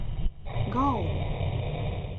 Galvu.